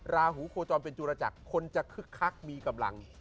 ราหูโคจรเป็นจุรจักรคนจะคึกคักมีกำลัง